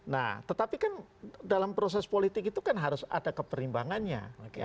nah tetapi kan dalam proses politik itu kan harus ada keperimbangannya